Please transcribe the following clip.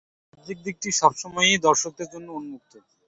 বাহ্যিক দিকটি সবসময়ই দর্শকদের জন্য উন্মুক্ত।